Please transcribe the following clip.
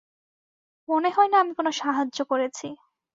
মনে হয় না আমি কোনো সাহায্য করেছি।